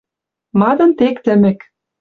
Мадын тек тӹмӹк.